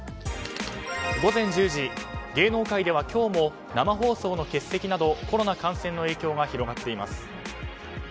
午前１０時、芸能界では今日も生放送の欠席などコロナ感染の影響が広がっています。